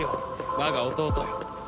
我が弟よ。